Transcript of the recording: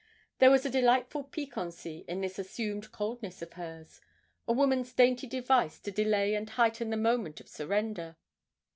There was a delightful piquancy in this assumed coldness of hers a woman's dainty device to delay and heighten the moment of surrender!